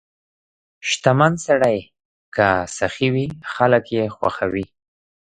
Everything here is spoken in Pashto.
• شتمن سړی که سخي وي، خلک یې خوښوي.